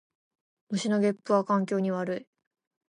牛のげっぷは環境に悪い